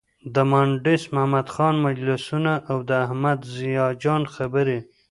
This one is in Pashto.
د مانډس محمد خان مجلسونه او د احمد ضیا جان خبرې.